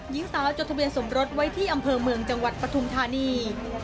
หญิงสาวจดทะเบียนสมรสไว้ที่อำเภอเมืองจังหวัดปฐุมธานี